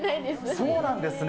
そうなんですね？